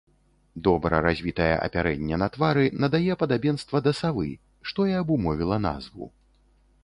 Добра развітае апярэнне на твары надае падабенства да савы, што і абумовіла назву.